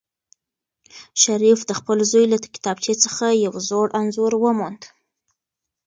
شریف د خپل زوی له کتابچې څخه یو زوړ انځور وموند.